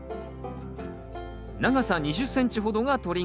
長さ２０ｃｍほどがとり頃。